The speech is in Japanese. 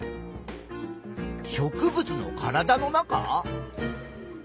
植物の体の中？